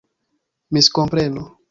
miskompreno